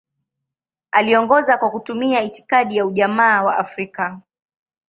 Aliongoza kwa kutumia itikadi ya Ujamaa wa Afrika.